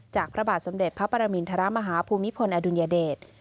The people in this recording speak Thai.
พระบาทสมเด็จพระปรมินทรมาฮาภูมิพลอดุลยเดช